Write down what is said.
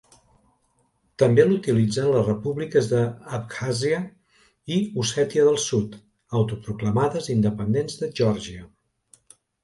També l'utilitzen les repúbliques d'Abkhàzia i Ossètia del Sud, autoproclamades independents de Geòrgia.